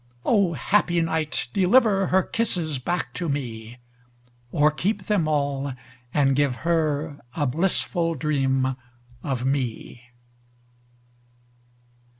O, happy night, deliverHer kisses back to me, Or keep them all, and give herA blissful dream of me!